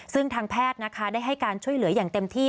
ซึ่งทางแพทย์นะคะได้ให้การช่วยเหลืออย่างเต็มที่